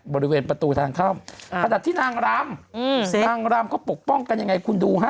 บริเวณประตูทางเข้าขนาดที่นางรำนางรำเขาปกป้องกันยังไงคุณดูฮะ